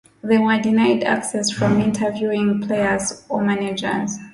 They were denied access from interviewing players or managers.